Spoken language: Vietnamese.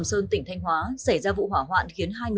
xin chào và hẹn gặp lại